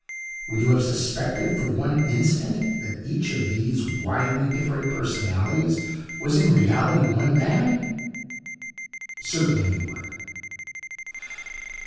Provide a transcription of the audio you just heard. Would you have suspected for one instant that each of these widely differing personalities was in reality one man? Certainly you would.